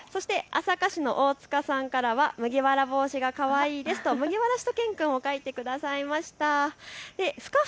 そして朝霞市のおおつかさんからは麦わら帽子がかわいいですと麦わらしゅと犬くんを描いてくださいました。